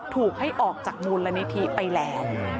ถูกให้ออกจากมูลนิธิไปแล้ว